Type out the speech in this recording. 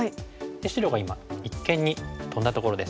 白が今一間にトンだところです。